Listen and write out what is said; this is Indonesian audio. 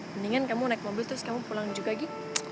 mendingan kamu naik mobil terus kamu pulang juga gi